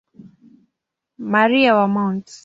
Maria wa Mt.